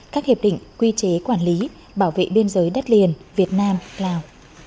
các hiệp định quy chế quản lý bảo vệ biên giới đất liền việt nam lào